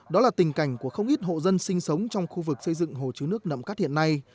đó là tình cảnh của không ít hộ dân sinh sống trong khu vực xây dựng hồ chứa nước nậm cắt hiện nay